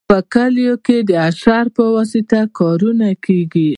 په کلیو کې د اشر په واسطه کارونه کیږي.